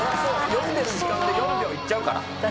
読んでる時間で４秒いっちゃう。